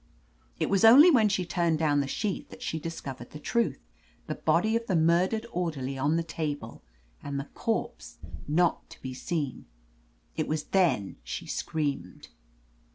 It was only when she turned down the sheet that she discovered the truth — ^the body of the murdered orderly on the table and the corpse not to be seen. It was then she screamed.